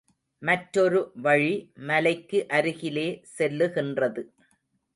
மற்றொரு வழி, மலைக்கு அருகிலே செல்லுகின்றது.